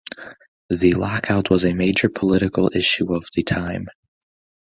The lockout was a major political issue of the time.